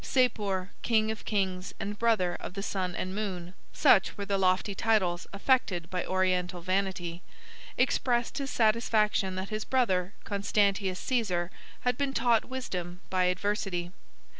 Sapor, King of Kings, and Brother of the Sun and Moon, (such were the lofty titles affected by Oriental vanity,) expressed his satisfaction that his brother, Constantius Cæsar, had been taught wisdom by adversity.